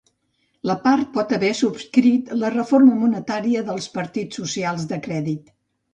La part pot haver subscrit la reforma monetària dels partits socials de crèdit.